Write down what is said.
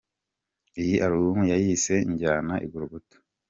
Iyi Album yayise “Njyana I Gorogota.